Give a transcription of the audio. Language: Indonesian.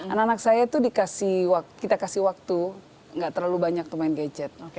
anak anak saya itu kita kasih waktu gak terlalu banyak tuh main gadget